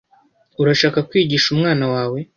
Urashaka kwigisha umwana wawe